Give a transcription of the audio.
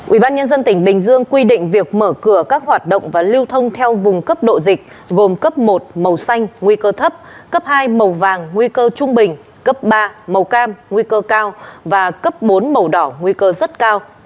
ubnd tỉnh bình dương quy định việc mở cửa các hoạt động và lưu thông theo vùng cấp độ dịch gồm cấp một màu xanh nguy cơ thấp cấp hai màu vàng nguy cơ trung bình cấp ba màu cam nguy cơ cao và cấp bốn màu đỏ nguy cơ rất cao